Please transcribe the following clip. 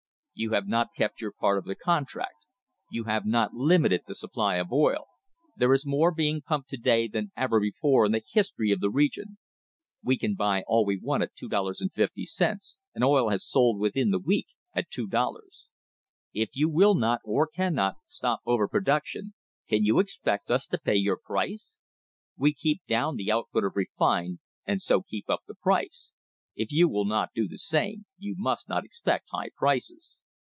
"You have not kept your part of the con tract — you have not limited the supply of oil* — there is more being pumped to day than ever before in the history of the re gion. We can buy all we want at $2.50, and oil has sold within the week at two dollars. If you will not, or cannot, stop over production, can you expect us to pay your price? We keep down the output of refined, and so keep up the price. If you will not do the same, you must not expect high prices."